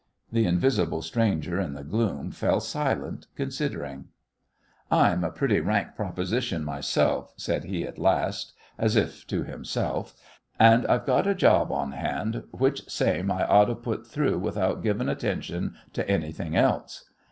The invisible stranger in the gloom fell silent, considering. "I'm a pretty rank proposition, myself," said he at last, as if to himself, "and I've got a job on hand which same I oughta put through without givin' attention to anything else.